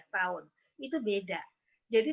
tahun itu beda jadi